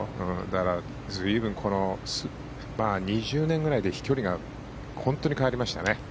だから随分この２０年ぐらいで飛距離が本当に変わりましたね。